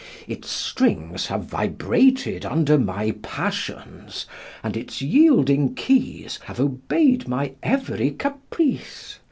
Its strings have vibrated under my passions and its yielding keys have obeyed my every caprice.